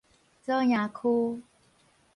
左營區